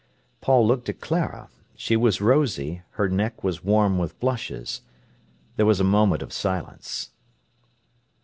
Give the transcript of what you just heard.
Paul looked at Clara. She was rosy; her neck was warm with blushes. There was a moment of silence.